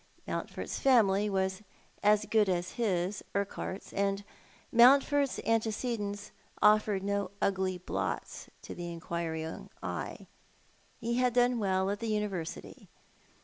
Mountford's family was as good as bis, Urquhart's ; and Mountford's antecedents offered no ugly blots to the inquiriug eye. He had done well at the University.